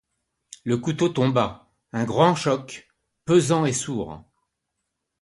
Le couteau tomba, un grand choc, pesant et sourd.